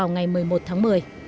ngày một mươi một tháng một mươi